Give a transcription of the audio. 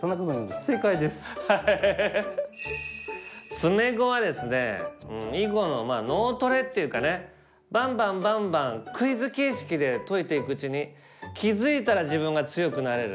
詰碁はですねうん囲碁の脳トレっていうかばんばんばんばんクイズ形式で解いていくうちに気付いたら自分が強くなれる。